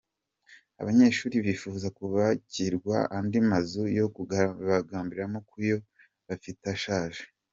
Abanyeshuri bifuza kubakirwa andi mazu yo gukarabiramo kuko ayo bafite ashaje.